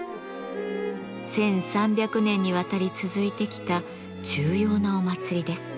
１，３００年にわたり続いてきた重要なお祭りです。